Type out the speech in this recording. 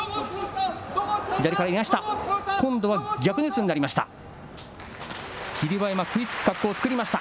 今度は逆に四つになりました。